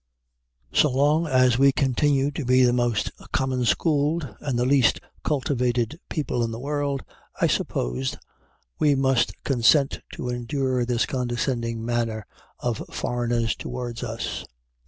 So long as we continue to be the most common schooled and the least cultivated people in the world, I suppose we must consent to endure this condescending manner of foreigners toward us.